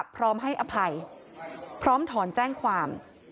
พร้อมให้อภัยพร้อมถอนแจ้งความ